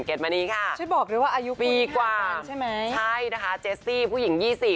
เก็ดมานี้ค่ะปีกว่าใช่มั้ยใช่นะคะเจซซี่ผู้หญิง๒๐